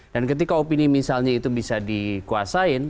dan ketika opini misalnya itu bisa dikuasain